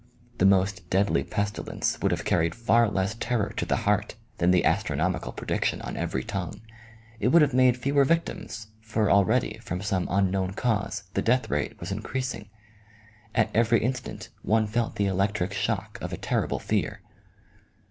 The most deadly pestilence would have carried far less terror to the heart than the astronomical prediction on every tongue ; it would have made fewer victims, for already, from some unknown cause, the death rate was increasing. At every instant one felt the electric shock of a terrible fear.